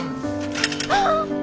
あっ！